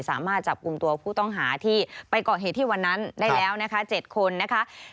สามารถจับกลุ่มตัวผู้ต้องหาที่ไปเกาะเหตุที่วันนั้นได้แล้วนะคะ๗คนนะคะ